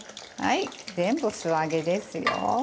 全部素揚げですよ。